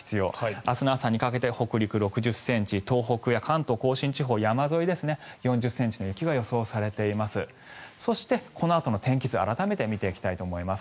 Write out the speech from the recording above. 明日の朝にかけて北陸、６０ｃｍ東北や関東・甲信地方山沿いですね、４０ｃｍの雪が予想されています。